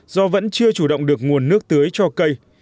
do vẫn chưa chủ động được nguồn nước tưới cho cây